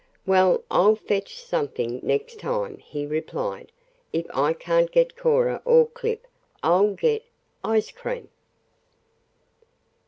"Well, I'll fetch something next time," he replied. "If I can't get Cora or Clip I'll get ice cream."